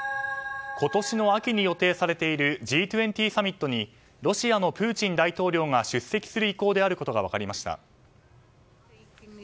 今年の秋に予定されているＧ２０サミットにロシアのプーチン大統領が出席する意向であることが分かりました。